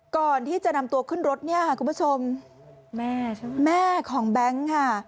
ก่อนที่จะนำตัวขึ้นรถเนี่ยค่ะคุณผู้ชมแม่ใช่ไหมแม่แม่ของแบงค์ค่ะ